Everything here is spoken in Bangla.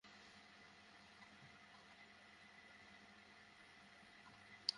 কিন্তু চীন এখন কেন রাজি হয়েছে, কারণ চীনের নিজেরও শ্বাস নিতে হবে।